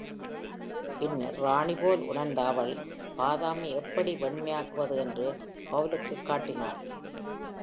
பின்னர், ராணிபோல் உணர்ந்த அவள், பாதாமை எப்படி வெண்மையாக்குவது என்று பவுலுக்குக் காட்டினாள்.